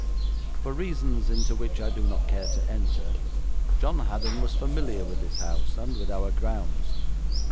For reasons into which I do not care to enter, John Haddon was familiar with this house, and with our grounds.